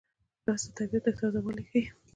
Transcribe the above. رس د طبیعت تازهوالی ښيي